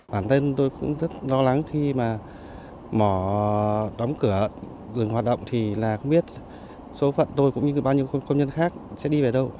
bản thân tôi cũng rất lo lắng khi mà mỏ đóng cửa dừng hoạt động thì là không biết số phận tôi cũng như bao nhiêu công nhân khác sẽ đi về đâu